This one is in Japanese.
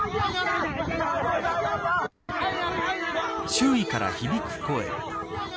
周囲から響く声。